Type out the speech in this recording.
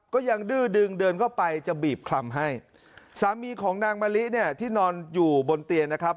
ก็ยังดื้อดึงเดินเข้าไปจะบีบคลำให้สามีของนางมะลิเนี่ยที่นอนอยู่บนเตียงนะครับ